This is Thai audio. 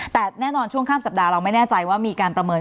แต่แน่นอนช่วงข้ามสัปดาห์เราไม่แน่ใจว่ามีการประเมิน